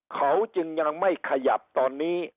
เขาจึงยังไม่ขยับตอนนี้